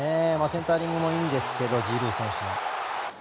センタリングもいいんですけどジルー選手の。